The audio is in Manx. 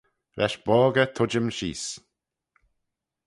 Lesh boggey tuittym sheese.